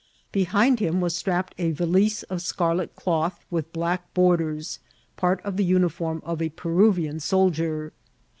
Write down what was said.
Behind him was strapped a Talise of scarlet cloth, with black borders, part of the miifonn of a Pemvian soldier.